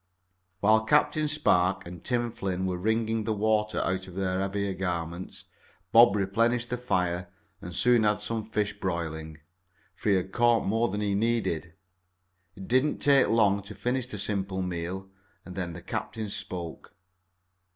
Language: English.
While Captain Spark and Tim Flynn were wringing the water out of their heavier garments Bob replenished the fire and soon had some fish broiling, for he had caught more than he needed. It did not take long to finish the simple meal, and then the captain spoke.